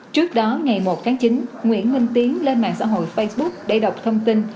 trước đó ngày một tháng chín nguyễn minh tiến lên mạng xã hội facebook để đọc thông tin